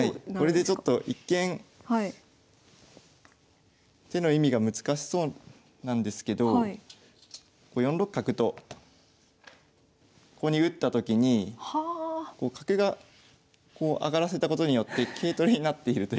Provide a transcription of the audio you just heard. これでちょっと一見手の意味が難しそうなんですけどこう４六角とここに打ったときに角がこう上がらせたことによって桂取りになっているという。